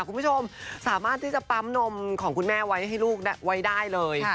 คุณผู้ชมสามารถที่จะปั๊มนมของคุณแม่ไว้ให้ลูกไว้ได้เลย